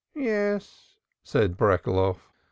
"Yes," said Breckeloff.